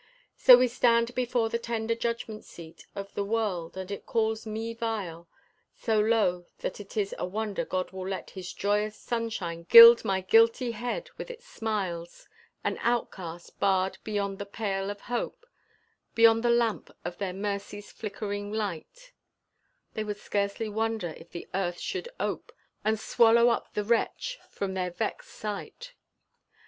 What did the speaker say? So we stand before the tender judgment seat Of the world, and it calls me vile, So low that it is a wonder God will let His joyous sunshine gild my guilty head with its smiles, An outcast barred beyond the pale of hope, Beyond the lamp of their mercy's flickering light, They would scarcely wonder if the earth should ope And swallow up the wretch from their vexed sight.